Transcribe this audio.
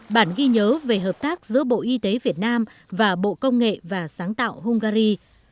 bản ghi nhớ về hợp tác giữa bộ y tế việt nam và bộ công nghệ và sáng tạo hungary